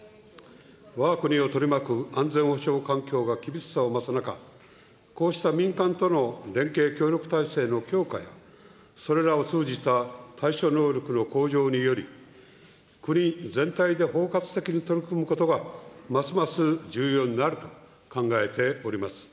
わが国を取り巻く安全保障環境が厳しさを増す中、こうした民間との連携協力体制の強化や、それらを通じた対処能力の向上により、国全体で包括的に取り組むことがますます重要になると考えております。